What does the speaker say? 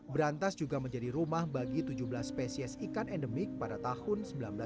berantas juga menjadi rumah bagi tujuh belas spesies ikan endemik pada tahun seribu sembilan ratus sembilan puluh